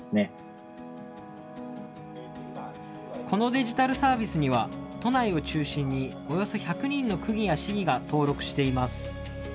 このデジタルサービスには、都内を中心におよそ１００人の区議や市議が登録しています。